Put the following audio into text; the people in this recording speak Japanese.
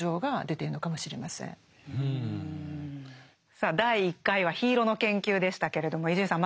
さあ第１回は「緋色の研究」でしたけれども伊集院さん